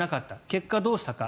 結果、どうしたか。